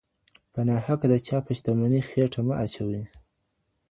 په ناحقه د چا په شتمنۍ خېټه مه اچوئ.